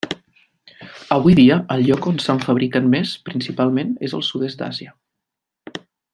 Avui dia el lloc on se'n fabriquen més principalment és el sud-est d'Àsia.